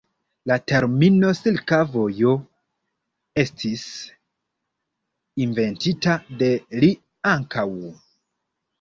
La termino "Silka Vojo" estis inventita de li ankaŭ.